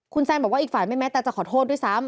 คุณแซนบอกว่าอีกฝ่ายไม่แม้แต่จะขอโทษด้วยซ้ำ